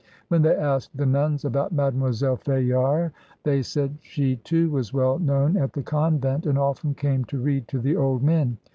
When they asked the nuns about Mademoiselle Fayard, they said she too was well known at the convent, and often came to read to the old men.